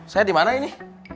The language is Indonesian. saya dimana ini